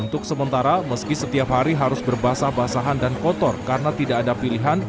untuk sementara meski setiap hari harus berbasah basahan dan kotor karena tidak ada pilihan